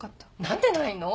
何でないの？